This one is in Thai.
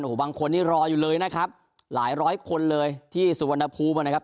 โอ้โหบางคนนี่รออยู่เลยนะครับหลายร้อยคนเลยที่สุวรรณภูมินะครับ